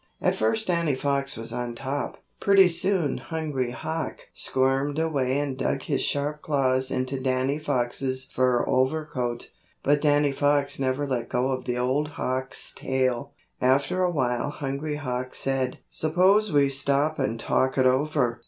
At first Danny Fox was on top. Pretty soon Hungry Hawk squirmed away and dug his sharp claws into Danny Fox's fur overcoat. But Danny Fox never let go of the old hawk's tail. After a while Hungry Hawk said: "Suppose we stop and talk it over."